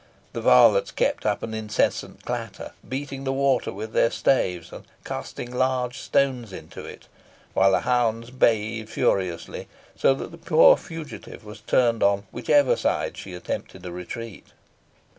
The varlets kept up an incessant clatter, beating the water with their staves, and casting large stones into it, while the hounds bayed furiously, so that the poor fugitive was turned on whichever side she attempted a retreat.